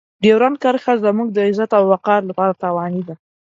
ډیورنډ کرښه زموږ د عزت او وقار لپاره تاواني ده.